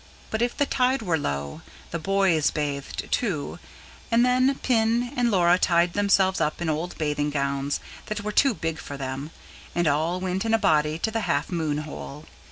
But if the tide were low, the boys bathed, too, and then Pin and Laura tied themselves up in old bathing gowns that were too big for them, and all went in a body to the "Half Moon Hole".